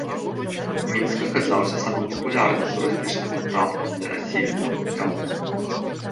Мінск аказаўся самым папулярным турыстычным напрамкам для расейцаў у траўні.